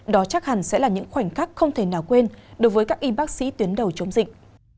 đó chắc hẳn sẽ là những khoảnh khắc không thể nào quên đối với các y bác sĩ tuyến đầu chống dịch